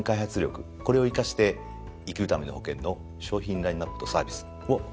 これを生かして生きるための保険の商品ラインアップとサービスを強化していきます。